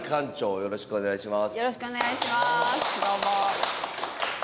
よろしくお願いします。